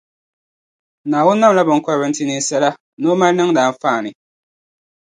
Naawuni namla binkɔbiri n-ti ninsala, ni o mali niŋdi anfaani.